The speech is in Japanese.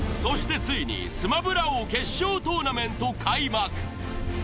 そしてついにスマブラ王決勝トーナメント開幕。